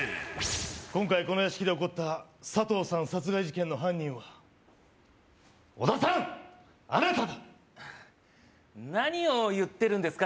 今回この屋敷で起こったサトウさん殺害事件の犯人は小田さんあなただ何を言ってるんですか